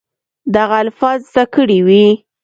دغه الفاظ زده کړي وي